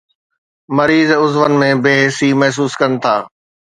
مريض عضون ۾ بي حسي محسوس ڪن ٿا